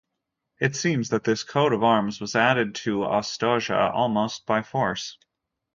It seems that this coat of arms was added to Ostoja almost by force.